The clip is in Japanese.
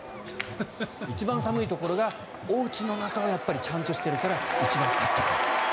一番寒いところが、おうちの中はちゃんとしているから一番暖かい。